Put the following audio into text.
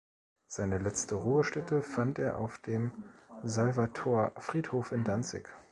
Seine letzte Ruhestätte fand er auf dem Salvator-Friedhof in Danzig.